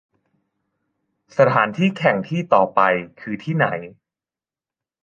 สถานที่แข่งที่ต่อไปคือที่ไหน